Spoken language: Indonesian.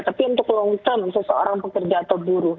tapi untuk long term seseorang pekerja atau buruh